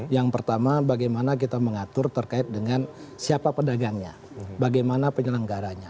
yang pertama bagaimana kita mengatur terkait dengan siapa pedagangnya bagaimana penyelenggaranya